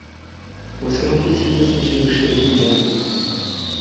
Você não precisa sentir o cheiro do mundo!